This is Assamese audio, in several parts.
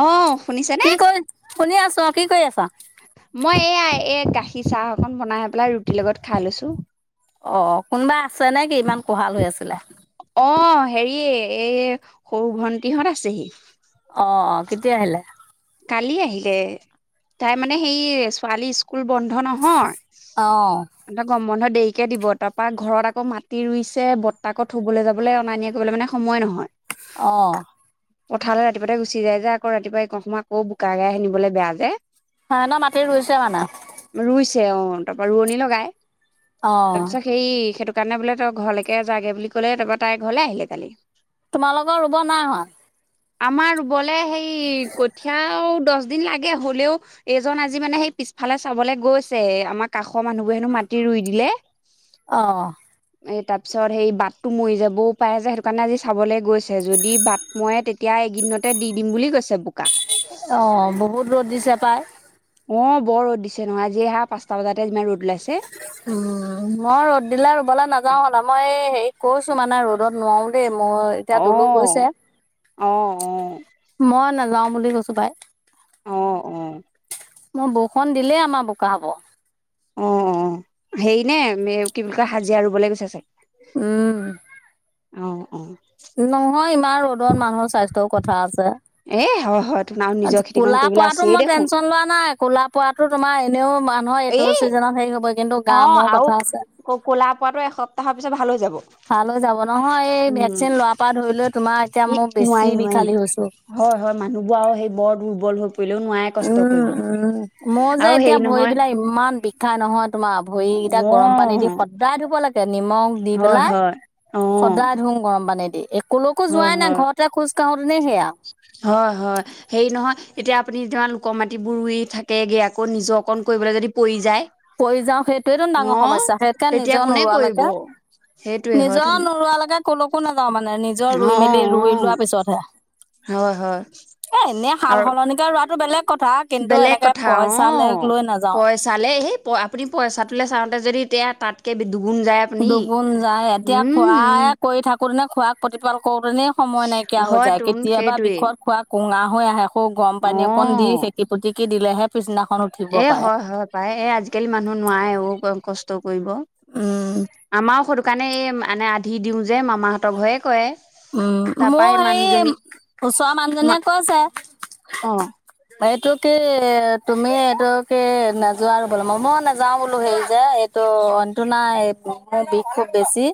অঁ' শুনিছে নে? কি কৰি শুনি আছো অঁ' কি কৰি আছা? মই এয়া এই গাখীৰ চাহ অকন বনাই পেলাই ৰুটিৰ লগত খাই লৈছো। অঁ অঁ' কোনোবা আছে নে কি ইমান কোঁহাল হৈ আছিলে? অঁ' সেৰি এই সৰু ভন্টিহঁত আছেহি। অঁ' অঁ' কেতিয়া আহিলে? কালি আহিলে, তাই মানে সেই ছোৱালী স্ক স্কুল বন্ধ নহয়- অ' সিহঁতৰ গম বন্ধ দেৰিকে দিব, তাৰপৰা ঘৰত আকৌ মাটি ৰুইছে বতাকৰ থুবলৈ যাবলৈ অনা-নিয়ে কৰিবলৈ মানে সময় নহয়। অঁ'। পথাৰলৈ ৰাতিপুৱাতে গুচি যায় যে আকৌ ৰাতিপুৱা এইকণ সময় আকৌ বোকা গাই আহি নিবলৈ বেয়া যে। সেহেতৰ মাটি ৰুইছে মানে? ৰুইছে অঁ' তাৰপা ৰোৱনী লগাই অ' তাৰপিছত সেৰি সেইটো কাৰণে বোলে তই ঘৰলৈকে যাগৈ বুলি ক'লে তাৰপৰা তাই ঘৰলৈ আহিলে কালি। তোমালোকৰ ৰুব নাই হোৱা? আমাৰ ৰুবলে সেই কঠীয়াও দহ দিন লাগে হ'লেও এইজন আজি মানে সেই পিছফালে চাবলৈ গৈছেহে আমাৰ কাষৰ মানুহবোৰে হেনো মাটি ৰুই দিলে [unintelligible] অ এই তাৰপিছত সেই বাটটো মৰি যাবও পাৰে যে সেইটো কাৰণে আজি চাবলৈ গৈছে যদি বা মই তেতিয়া এইকদিনতে দি দিম বুলি কৈছে বোকা অ বহুত ৰ'দ দিছে পায় অ বৰ ৰ'দ দিছে নহয় জিহা পাঁচটা বজাতে যিমান ৰ'দ ওলাইছে উম, মই ৰ'দ দিলে ৰুবলৈ নাযাও শুনা মই এই হেৰি কৈছো মানে ৰ'দত নোৱাৰো দেই মোৰ এতিয়া অ দুলু গৈছে অ অ মই নাযাও বুলি কৈছো পাই অ অ মোৰ বৰষুণ দিলেই আমাৰ বোকা হ'ব। অ অ হেৰি নে, মে কি বুলি কয় হাজিৰা ৰুবলৈ গৈছে চাগে। উম অ অহ নহয়, ইমান ৰ'দত মানুহৰ স্বাস্থ্যও কথা আছে। এ হয় হয় তোন আৰু নিজৰ আচ্ছা, খেতিকণ ক'লা কৰিবলৈ পৰাতো আছেই মই দেখোন টেনচন লোৱা নাই। ক'লা পৰাতো তোমাৰ এনেও মানুহৰ এইটো এই ছিজনত হেৰি হ'বই কিন্তু অ কামৰ আৰু কথা আছে, ক ক'লা পোৱাটো এসপ্তাহৰ পিছত ভাল হৈ যাব। তালৈ যাব নহয় এই ভে উম। কচিন লোৱা পৰা ধৰি লোৱা তোমাৰ এতিয়া ই মই বেছি নোৱাৰি নোৱাৰি বিশালী হৈছো। হয়, হয় মানুহবিলাকৰ সেই বৰ দুৰ্বল হৈ ফুৰিলেও নোৱাৰে কষ্ট উম কৰিব। উম মোৰ যে আৰু এতিয়া হেৰি নহয় ভৰিবিলাক ইমান বিষাই নহয় তোমাৰ। ভৰিকেইটা গৰম পানী দি অ স দায় ধুব লাগে নিমখ দি হয় পেলাই হয় অ সদায় ধুঙ গৰম পানী দি এ ক'লৈকো হয় যোৱাই নাই, হয় ঘৰতে খোজ কাঢ়োতেনে সেয়া। হয়, হয়। হেৰি নহয়, এতিয়া আপুনি যিমান লোকৰ মাটিবোৰ ৰুই থাকেগে আকৌ নিজৰ অকণ কৰিবলৈ যদি পৰি যায়। পৰি যাও সেইটোয়েটো অ ডাঙৰ সমস্যা, বিশেষকে তেতিয়া নিজৰ কোনে কৰিব নোৰোৱালেকে সেইটোৱে হয়তো নিজৰ নোৰোৱালৈকে ক'লৈকো নাযাওঁ মানে, নিজৰ অ ৰুই অ মেলি, ৰুই লোৱাৰ পিছতহে। হয়, হয়। এ এনে আৰু সাল-সলনিকে ৰোৱাতো বেলেগ কথা কিন্তু বেলেগ এনেকে কথা পইচালে অ'। লৈ নাযাও। পইচালে সেই প, আপুনি পইচাটোলে চাওতে যদি এতিয়া তাতকৈয় দুগুণ যায়। আপুনি। দুগুণ যায়, এতিয়া উম, উম, খোৱাই কৰি থাকো তেনে, খোৱাক প্ৰতিপাল কৰোতেনে সময় নাইকিয়া হৈ হয় যায়, তোন কেতিয়াবা সেইটোৱেই বিষত খোৱা কুঙা হৈ আহে, সৌ গৰম পানী অকণ দি অ'। খেকি পুতিকি দিলেহে পিছদিনাখন উঠিব পাৰে। পায়ে, এই আজিকালি মানুহ নোৱাৰে অ' কষ্ট কৰিব উম আমাৰ সৰু কাৰণে, এই মানে আধি দিও যে, মামাহঁতৰ ঘৰে কৰে। উম, তাৰপা এই মোৰ মানুহজনী হেৰি ওচৰৰ মানুহজনীয়ে কৈছে অ'। এইটো কি তুমি এইটো কি নোযোৱা বোলো মই মই নাযাও বোলো হেৰি যে ত মানুহটো নাই বিষ খুব বেছি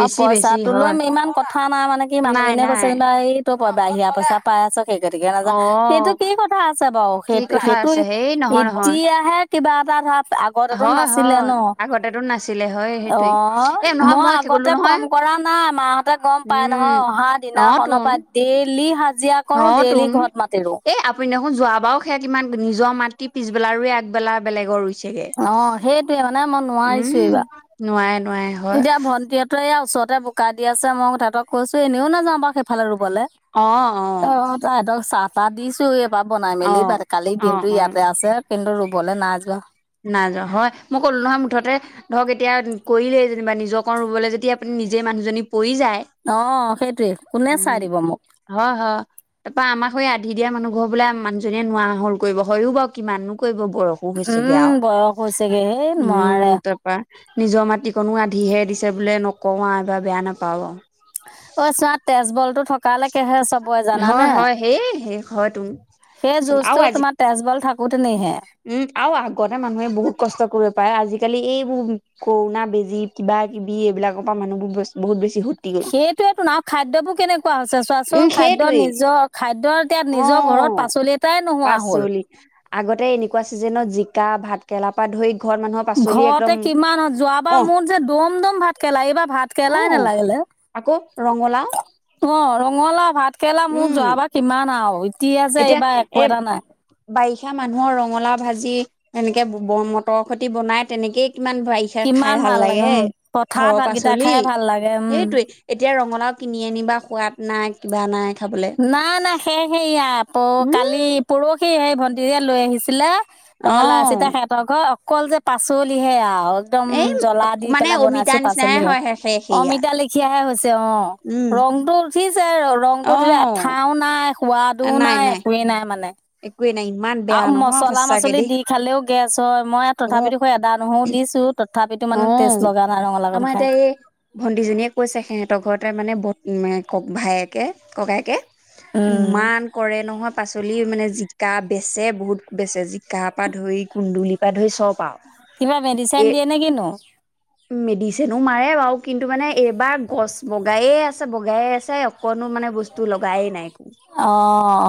আৰু বেছি পইচাটো লৈ হয়। ইমান কথা কথা নাই মানে কি নাই, মানুহজনীয়ে কৈছে নাই যেনিবা এইটো বাহিৰা পইচা পাই আছ সেই গতিকে নাযা সেইটো অ' কি কথা আছে বাৰু কি সেই কথা সেইটো আছে হেই নহয়, নহয় এতিয়াহে কিবা এটা ধৰা আ আগতেতো হয় নাছিলে হয় ন আগতেতো নাছিলে হয় সেইটোৱে অ', এ নহয় মই সেই কলো আগতে নহয় কম কৰা নাই মাহঁতে গম পাই উম নহয় অহা অ দিনাখনৰ তোন পৰা ডেইলি হাজিৰা অ কৰো তোন ডেইলি ঘৰত মাতিলো। এই আপুনি দেখোন যোৱাবাও সেয়াত ইমান নিজৰ মাতি পিছবেলা ৰুৱে আগবেলা বেলেগৰ ৰুই ছেগে অ সেইটোৱে মানে মই নোৱাৰিছো উম এইবাৰ নোৱাৰে নোৱাৰে। হয় এতিয়া ভণ্টিহঁতে এয়া ওচৰতে বোকা দি আছে মই তেহঁতক কৈছো এনেও নাযাওঁ বাও সেফালে ৰুবলে অ তাহাতক চাহ-তাহ দিছোগে বা বনাই অ মেলি কালি অ দিনটো অ ইয়াতে আছে কিন্তু ৰুবলে নাই যোৱা। নাই যোৱা হয় মই ক'লো নহয় মুঠতে ধৰক এতিয়া কৰিলেই যেনিবা নিজৰ কণ ৰুবলে যদি আপুনি নিজেই মানুহজনী পৰি যায়। অ' সেইটোৱে কোনে চাই দিব মোক। হয় হা। তাৰপৰা আমাক সৈ আধি দিয়া মানুহ ঘৰ বোলে মানুহজনীয়ে নোৱাৰা হল কৰিব হয়ও বা কিমাননো কৰিব বয়সো হৈছে। উম বয়স হৈছেগে হেই নোৱাৰে। তাৰপা নিজৰ মাটি কনো আধিহে দিছে বোলে নকওঁ আও বেয়া নাপাব। ঐ চোৱা তেজবলটো থকালেকেহে চবই হয় জানানে। হয় সেই সেই হয় তুম সেই আৰু যুচটো আজি তোমাৰ তেজবল থাকোতে নিহে। উম আৰু আগতে মানুহে বহুত কষ্ট কৰিব পাৰে আজিকালি এইবোৰ কৰুণা বেজি কিবা কিবি এইবিলাকৰ পৰা মানুহবোৰ বহুত বেছি হয় সেইটোয়েতো আৰু খাদ্যবোৰ কেনেকুৱা হৈছে উম চোৱাচোন খাদ্য সেইটোৱেই নিজৰ খাদ্য এতিয়া অ নিজৰ ঘৰত পাচলি এটাই নোহোৱা হ'ল। পাচলি আগতে এনেকুৱা ছিজনত জিকা ভাত কেৰেলাৰ পৰা ধৰি ঘৰত মানুহক ঘৰতে কিমান হয় যোৱাবাৰ মোৰ যে দম দম ভাতকেৰেলা এইবাৰ ভাত অ কেৰেলাই নালাগিলে। আকৌ ৰঙালাও। অ ৰঙালাও ভাতকেৰেলা মোৰ উম যোৱাবাৰ কিমান আও এতিয়া এ বাৰিষা মানুহৰ ৰঙালাও ভাজি এনেকে বন মটৰৰ সৈতি বনাই তেনেকেই কিমান বাৰিষা কিমান খাই ভাল লাগে উম পথাৰত ঘৰৰ ভাতকেইটা পাচলি খাই ভাল লাগে উম সেইটোৱে। এতিয়া ৰঙালাও কিনি আনিবা সোৱাদ নাই কিবা নাই খাবলে। নাই নাই হেয়া হেয়া প উম কালি পৰহি সেই ভণ্টিজনিয়ে লৈ আহিছিলে। অ ৰঙলাও এচিতা সেহঁতৰ ঘৰ অকল যে পাচলিহে আও একদম এই জ্বলা দি মানে পেলাই অমিতা বনাইছো নিচিনাহে পাচলিহে হয় সে সেয়া অমিতা লে খিয়াহে হৈছে অ' উম ৰংটো উঠিছে ৰংটো অ উঠিলে ও নাই সোৱাদো নাই একোৱেই নাই মানে একুৱেই নাই ইমান বেয়া আৰু নহয় মছলা সঁচাকে মাচলি দেই দি খালেও গেছ হয় মই অ তথাপিতো এদা নহৰু দিছো। তথাপিতো মানে তেষ্ট লগা নাই ৰঙালাওকন খায়। ভণ্টিজনীয়ে কৈছে সিহঁতৰ ঘৰতে মানে ব এ ভায়েকে ককায়েকে উম ইমান কৰে নহয় পাচলি মানে জিকা বেচে বহুত বেচে জিকাৰ পৰা ধৰি কুন্দুলিৰ পৰা ধৰি চব আও কিবা মেডিচেইন দিয়ে নে কিনো। মেডিচিনো মাৰে বাৰু কিন্তু মানে এইবাৰ গছ বগাইয়ে আছে বগাইয়ে আছে অকনো মানে বস্তু লগাই নাই একো অ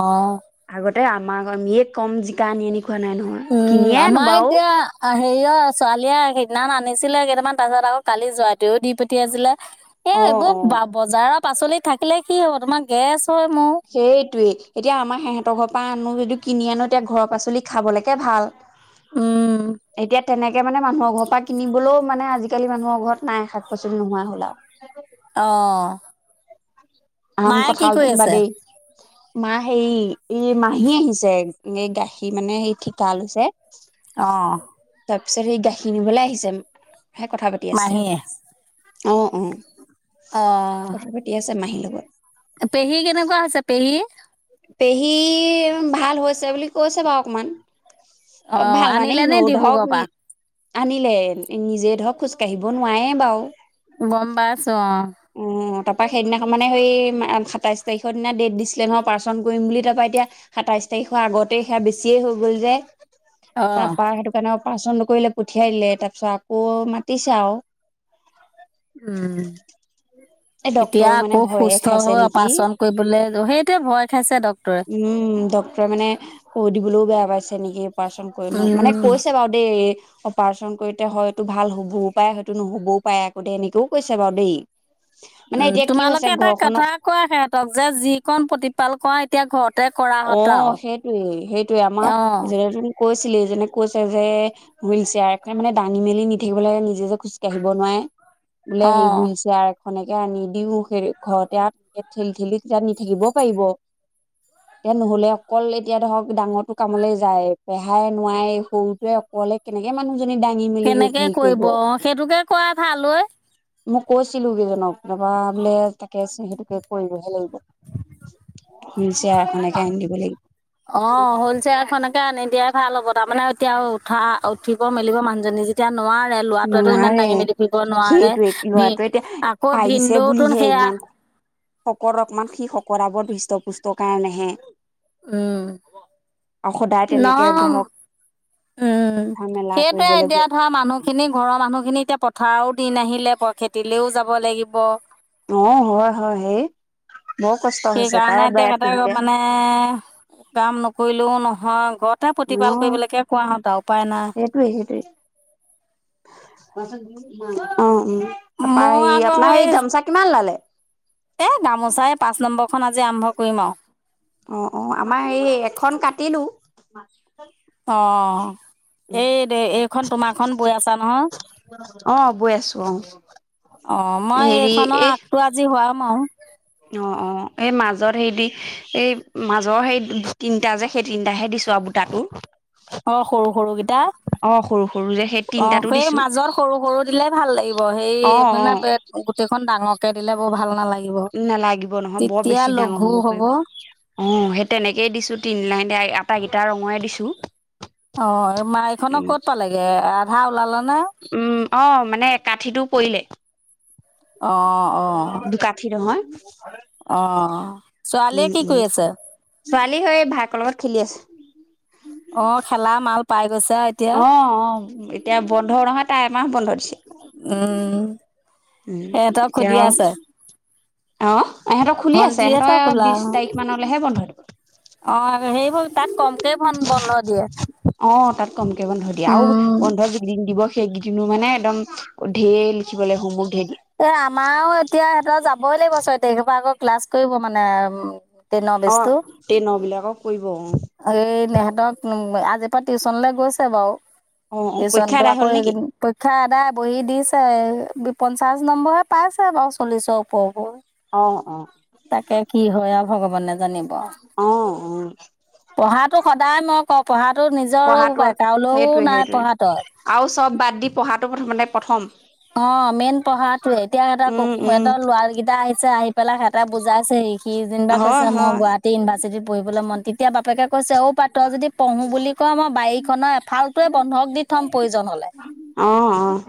অ আগতে আমাক আমিয়ে কম জিকা আনি আনি খোৱা নাই নহ। উম আমাৰ এতিয়া অ হেৰিয় ছোৱালীয়ে সেইদিনাখন আনিছিলে কেইটামান তাৰপিছত আকৌ কালি জোৱাই তোৱেও দি পঠিয়াইছিলে। এ অ এইবোৰ অ বা-বজাৰৰ পাচলি থাকিলে কি হব তোমাৰ গেছ হয় মোৰ। সেইটোৱেই এতিয়া আমাৰ সেহেতৰ ঘৰৰ পৰা আনো যদিও কিনি আনো এতিয়া ঘৰৰ পাচলি খাবলেকে ভাল। উম, [inaudible] এতিয়া তেনেকে মানে মানুহৰ ঘৰৰ পৰা কিনিবলৈও মানে আজিকালি মানুহৰ ঘৰত নাই শাক পাচলি নোহোৱা হ'ল আৰু। অ'। আম মায়ে কি কঠালতো কৰি আছে? বাদেই। মা হেৰি এই মাহী আহিছে, এই গাখীৰ মানে সেই ঠিকা লৈছে। অ, ' তাৰ পিছত সেই গাখীৰ নিবলৈ আহিছে হে কথা পাতি আছে মাহীয়ে অ', অ', অ, দি আছে মাহীৰ লগত। পেহী কেনেকুৱা হৈছে পেহী। পেহী ভাল হৈছে বুলি কৈছে বাৰু অকমান। অ, ভাল মানে আনিলে নে নোদ হওক ডিব্ৰুগড়ৰ নি পৰা? আনিলে নিজে ধৰক খোজ কাঢ়িব নোৱাৰে বাৰু। গম পাইছো অ'। উম। তাপা সেইদিনা মানে সেই মা-সাতাইছ তাৰিখৰ দিনা ডেট দিছিলে নহয় অপাৰেচন কৰিম বুলি তাৰপৰা এতিয়া সাতাইশ তাৰিখৰ আগতে সেয়া বেছিয়ে হৈ গ'ল যে। অ', তাপা সেইটোকাৰণে অপাৰেচন নকৰিলে পঠিয়াই দিলে তাপিছত আকৌ মাতিছে আৰু। উম। এই এতিয়া ডক্তৰেও মানে আকৌ ভয়ে সুস্থ খাইছে হৈ নেকি অপাৰেচন কৰিবলে সেইটোৱে ভয় খাইছে ডক্তৰে। উম, ডক্তৰে মানে কৈ দিবলেও বেয়া পাইছে নেকি। অপাৰেচন কৰি লওঁ, মানে উম। কৈছে বাৰু দেই এই সপ অপাৰেচন কৰিতে হয়তো ভাল হ'বও পাৰে হয়তো নহ'বও পাৰে আকৌ দে এনেকৈও কৈছে বাৰু দেই। মানে উম, এতিয়া কি হৈছে তোমালোকে এটা ঘৰখনৰ কথা কোৱা সিহঁতক যে, যি কণ প্ৰতিপাল কৰা এতিয়া ঘৰতে কৰাহঁত অ', আৰু সেইটোৱে-সেইটোৱে আমাৰ অ' [unintelligible] কৈছিলেই এইজনে কৈছে যে হুইল চেয়াৰ এখনে মানে দাঙি মেলি নি থাকিব লাগে নিজে যে খোজকাঢ়িব নোৱাৰে। বোলে হেৰি অ' হুইল চেয়াৰ খনেকে আনি দিও সেই ঘৰতে আৰু [unintelligible] ঠেলি-ঠেলি তেতিয়া নি থাকিব পাৰিব। এ নহলে অকল এতিয়া ধৰক ডাঙৰটো কামলে যায়, পেহাই নোৱাৰেই সৰুটোৱে অকলে কেনেকে মানুহ [unintelligible] দাঙি মেলি কেনেকে হে-হেৰি কৰিব অ' সেইটোকে কৰাই ভাল ঐ [inaudible] মই কৈছিলো কেইজনক তাপা বোলে তাকে চে-সেইটোকে- কৰিবহে লাগিব [unintelligible] আনি দিব লাগিব [unintelligible] অ', হুইল চেয়াৰ এখনে কে আনি দিয়াই ভাল হ'ব তাৰমানে এতিয়া উঠা-উঠিব মেলিব মানুহজনী যেত এতিয়া নোৱাৰে লৰাটোৱেতো ইমান দাঙি নোৱাৰে মেলি ফূৰিব নোৱাৰে, সেইটোৱে ভি ল'ৰাটোৱে এতিয়া আকৌ পাৰিছে ভিনদেউটোন সেয়া [inaudible] শকত অকমান সি শকত আবত সুষ্টপুষ্ট কাৰণেহে। উম, আৰু সদায় তেনেকে নাম ধৰক উম, উঠা মেলা সেইটোৱে এতিয়া কৰিবলৈ ধৰা মানুহ সেইখিনি ঘৰৰ মানুহখিনি এতিয়া পথাৰৰো দিন আহিলে প-খেতিলেও যাব লাগিব। অ', হয়-হয় হে। বৰ কষ্ট হৈছে পাই [unintelligible] এ, কাম নকৰিলেও নহয় ঘৰত। তাৰ প্ৰতিপাল কৰিবলৈকে কোৱাহঁত আও উপায় নাই। সেইটোৱেই অ' উম। তাপা সেই মই আকৌ আপোনাৰ সেই গামোচা কিমান ওলালে। এ গামোচা এই পাচ নম্বৰখন আজি আৰম্ভ কৰিম আৰু। অ', অ', আমাৰ এই এখন কাটিলো। অ'। এই দে এইখন তোমাৰখন বৈ আছা নহয়। অ বৈ আছো অ অ' মই হেৰি এইখনৰ এই আগটো আজি হুৱাম আৰু। অ', অ' এই মাজত হেইদি এই মাজৰ সেই তিনটা যে সেই তিনটাহে দিছো আৰু। তাকো। অ' সৰু সৰুকেইটা। সৰু সৰু যে সেই অ' তিনটাতো সেই দিছো মাজত সৰু সৰু দিলে ভাল লাগিব সেই অ অ মানে- গুটি খন ডাঙৰকে দিলে বৰ ভাল নালাগে। নালাগিব নহয় বৰ বেছি ডাঙৰ হ'ব পাৰিব। অ', সেই তেনেকেই দিছো তিন লাইন এই আটাইকেইটা ৰঙৰে দিছো। অ', এই মাইখন উম ক'ত পালেগে আধা ওলালে নে? উম, অ', মানে কাঠিটো পৰিলে। অ', অ', কাঠি নহয়। অ', ছোৱালীয়ে উম কি উম কৰি আছে? ছোৱালী সৈ ভায়েকৰ লগত খেলি আছে। অ', খেলা মাল পাই গৈছে আও এতিয়া। অ', অ', এতিয়া বন্ধ নহয় তাই এমাহ বন্ধ দিছে। উম, উম ইহঁতক এতিয়া খুলি আছে। অ' ইহঁতৰ খুলি আছে ভন্টিহঁতৰ ইহতৰ খোলা বিশ তাৰিখ মানলৈহে বন্ধ দিব। অ' সেই হল তাত কম। অ' তাত কমকে বন্ধ দিয়ে আৰু উম, বন্ধ য [unintelligible] দিব সেইকেইদিনো মানে একদম ঢেৰ লিখিব ললৈ সমক ঢেৰ দি। এ আমাৰো এতিয়া সিহঁতৰ যাবই লাগিব ছয় তাৰিখপৰা আকৌ ক্লাছ কৰিব মানে উম। অ', টেনবিলাকক কৰিব অ'। এই সিহঁতক উম আজিৰ পৰা টিউশচনলৈ গৈছে বাৰু। অ অ পৰীক্ষা টিউচনটো আদায় আকৌ হ'ল নেকি? এইকেইদিন। পৰীক্ষা এদায় বহি দিছে পঞ্চাশ নম্বৰ পাইছে বাৰু চল্লিশৰ ওপৰব। অ অ তাকে কি হয় আৰু ভগৱানে জানিব। অ অ পঢ়াতো সদায় মই কওঁ পঢ়ো নিজৰো পঢ়াটো পায় কাইউলৈও সেইটোৱে নাই সেইটোৱে পঢ়াটোত। আৰু চব বাদ দি পঢ়াটো প্ৰথম মানে প্ৰথম। অ' মেইন পঢ়াটোৱয়ে এতিয়া সঁত উম উম এহঁত লৰা কেইটা আহিছে আহি পেলাই সিহঁত এটা বুজাইছে সি সি যেনিবাৰ হয় কৈছে মই হয় গুৱাহাটী ইউনিভাৰ্চিটিত পঢ়িবলৈ মন ট এতিয়া বাপেকে কৈছে অঔ পাত তই যদি পঢ়ো বুলি কয় মই বাৰীখনৰ এফালটোৱে বন্ধক দি থম প্ৰয়োজন হলে। অ', অ'।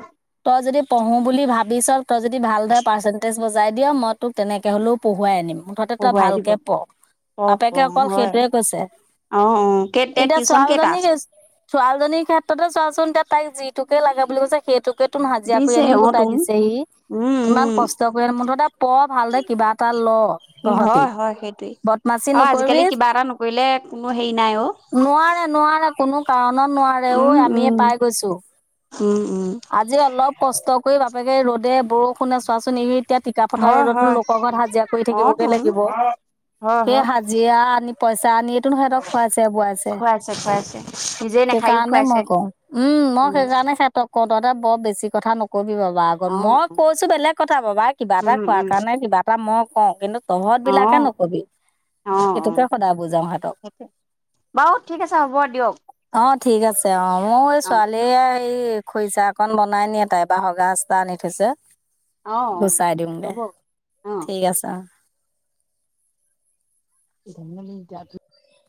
তই যদি পঢ়ো বুলি ভাবিচ তই যদি ভালদৰে পাৰ্চেন্টেজ- বজাই দিয়া মই তোক তেনেকে হলেও পঢ়োৱাই আনিম মুঠতে তই পঢ়ুৱাই দিব ভালকে পঢ়। পঢ় বাপেকে পঢ় অকল হয় সেইটোৱে কৈছে, অ অ কেই এতিয়া টিউচন কেইটা ছোৱালীজনী ক আছে ছোৱালীজনীৰ ক্ষেত্ৰতে চোৱাচোন এতিয়া তাইক যিটোকে লাগে বুলি কৈছে সেইটোকে- তুমি হাজিৰা কৰি দিছে আনিও অ গোটাই তোন দিছেহি। উম ইমান কষ্ট কৰি আহিছে মুঠটে পঢ় ভালদৰে কিবা এটা ল উম তহঁতি। হয় হয় সেইটোৱে বদমাচি আৰু আজিকালি নকৰিবি কিবা এটা নকৰিলে কোনো হেৰি নাই অ'। নোৱাৰে নোৱাৰে কোনো কাৰণত নোৱাৰে ঐ উম উম আমিয়ে পাই গৈছো। উম উম। আজি অলপ কষ্ট কৰি বাপেকে ৰ'দে বৰষুণে চোৱাচোন এৰি এতিয়া টিকা ফটা হয় ৰ'দতো হয় লোকৰ ঘৰত হাজিৰা কৰি অ থাকিবগে তোন লাগিব হয় হয় সেই হাজিৰা আনি পইচা আনিয়েতো ন সিহতক খুৱাইছে বোৱাইছে খুৱাইছে খুৱাইছে নিজে নাখায়ো সেইকাৰণে খুৱাইছে মই কওঁ। উম মই উম সেইকাৰণে ইহতক কওঁ তহঁতে বৰ বেছি কথা নকবি বাবা। অ মই কৈছো বেলেগ কথা বাবা কিবা এটা উম খোৱাৰ উম কাৰণে কিবা এটা মই কওঁ কিন্তু। তহঁত অ বিলাকে নকবি অ অ সেইটোকে সদায় বুজাও সঁতক। সেইটোৱে বাৰু ঠিক আছে হ'ব দিয়ক। অ' ঠিক আছে অ' মোৰ এই অ ছোৱালীয়ে এই খৰিচা অকন বনাই নিয়ে তাই এ বাঁহৰ গাজ এটা আনি থৈছে। অ অ গুচাই দিওঁং গে হ'ব ঠিক আছে অ ধেমালি কিয়া ধু